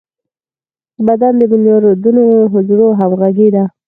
بدن د ملیاردونو حجرو همغږي ده.